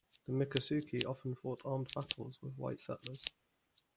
The Miccosukee often fought armed battles with white settlers.